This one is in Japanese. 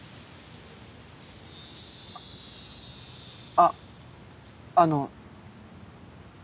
あっあの。